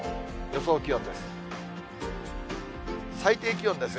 予想気温です。